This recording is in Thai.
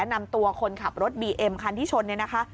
นำตัวคนขับรถบีเอ็มคันที่ชนเนี่ยนะคะ